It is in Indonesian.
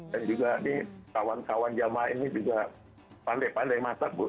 dan juga ini kawan kawan yang main ini juga pandai pandai masak bu